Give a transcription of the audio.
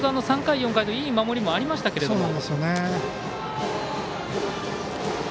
３回、４回といい守りもありましたけども。